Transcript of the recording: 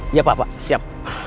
iya pak pak siap